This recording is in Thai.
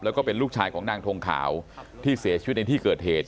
แล้วก็เป็นลูกชายของนางทงขาวที่เสียชีวิตในที่เกิดเหตุ